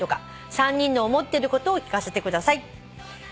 「３人の思ってることを聞かせてください」